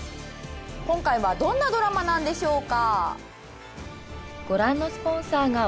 今回はどんなドラマなんでしょうか？